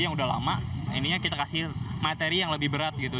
yang udah lama ininya kita kasih materi yang lebih berat gitu